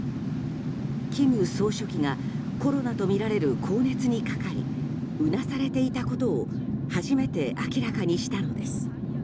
金総書記がコロナとみられる高熱にかかりうなされていたことを初めて明らかにしたのです。